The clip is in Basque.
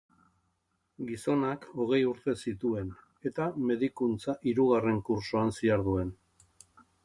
Gizonak hogei urte zituen, eta medikuntza hirugarren kurtsoan ziharduen.